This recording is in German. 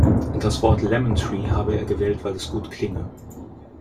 Das Wort "Lemon Tree" habe er gewählt, weil es gut klinge.